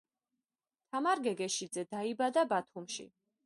თამარ გეგეშიძე დაიბადა ბათუმში